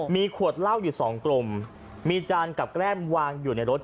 มีขวดเหล้าอยู่สองกลมมีจานกับแก้มวางอยู่ในรถ